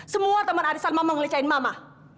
semua teman aris salma mau ngelicain mama